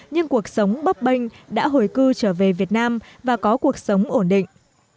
nhưng cuộc sống bấp bênh đã hồi cư trở về việt nam và có cuộc sống ổn định